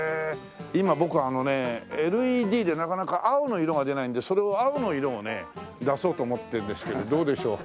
今僕あのねＬＥＤでなかなか青の色が出ないのでそれを青の色をね出そうと思ってるんですけどどうでしょう？